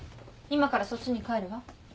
今からそっちに帰るわ。